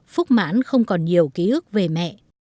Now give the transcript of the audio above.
phúc mãn không còn nhiều ký ức về mẹ